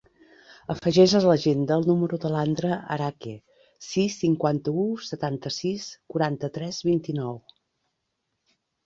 Afegeix a l'agenda el número de l'Andra Araque: sis, cinquanta-u, setanta-sis, quaranta-tres, vint-i-nou.